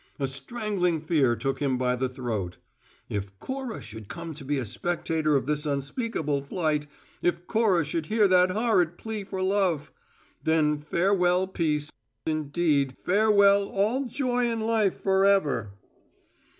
A strangling fear took him by the throat if Cora should come to be a spectator of this unspeakable flight, if Cora should hear that horrid plea for love! Then farewell peace; indeed, farewell all joy in life forever!